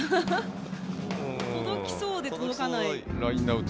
届きそうで届かない。